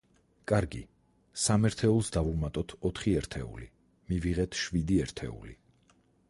კარგი. სამ ერთეულს დავუმატეთ ოთხი ერთეული, მივიღეთ შვიდი ერთეული.